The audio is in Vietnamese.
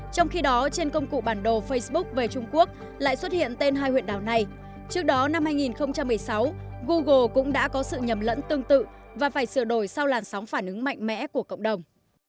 trước đó năm hai nghìn một mươi sáu google cũng đã có sự nhầm lẫn tương tự và phải sửa đổi sau làn sóng phản ứng mạnh mẽ của cộng đồng